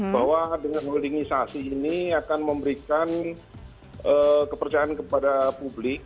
bahwa dengan holdingisasi ini akan memberikan kepercayaan kepada publik